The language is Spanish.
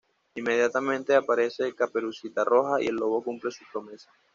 Inmediatamente, aparece Caperucita Roja y el lobo cumple su promesa.